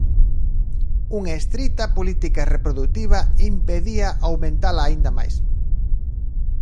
Unha estrita política reprodutiva impedía aumentala aínda máis.